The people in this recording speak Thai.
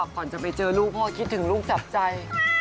ก่อนจะไปเจอลูกพ่อคิดถึงลูกจับใจ